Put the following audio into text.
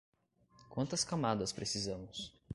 Quantas camadas precisamos?